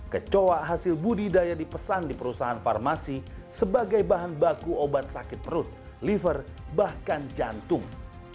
kecoa hasil budidaya dipesan di perusahaan farmasi sebagai bahan baku obat sakit perut liver bahkan jantung